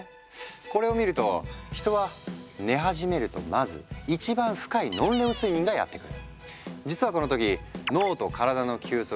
これを見ると人は寝始めるとまず一番深いノンレム睡眠がやって来る。